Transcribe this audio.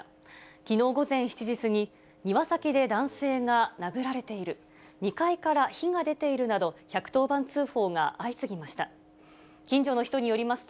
きのう午前７時過ぎ、庭先で男性が殴られている、２階から火が出ているなど、１１０番通報が相次ぎました。